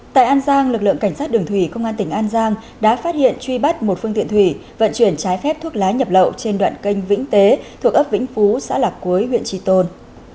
tại an giang lực lượng cảnh sát đường thủy công an tỉnh an giang đã phát hiện truy bắt một phương tiện thủy vận chuyển trái phép thuốc lá nhập lậu trên đoạn canh vĩnh tế thuộc ấp vĩnh phú xã lạc cuối huyện tri tôn